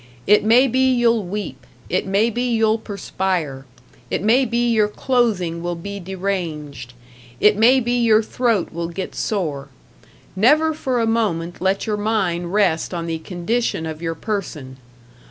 It maybe you'll weep, it maybe you'll perspire, it maybe your clothing will be deranged, it maybe your throat will get sore. Never for a moment let your mind rest on the condition of your person.